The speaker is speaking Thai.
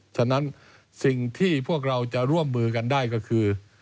ฉะนั้นสิ่งที่พวกเราจะร่วมมือกันได้ก็คือ